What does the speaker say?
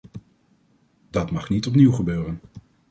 Dat mag niet opnieuw gebeuren!